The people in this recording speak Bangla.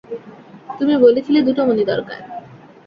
তুমি বলেছিলে দুটো মণি দরকার।